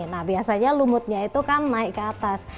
nah biasanya lumutnya itu kan naik ke atas